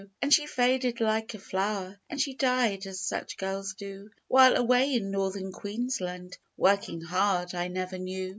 And she faded like a flower, And she died, as such girls do, While, away in Northern Queensland, Working hard, I never knew.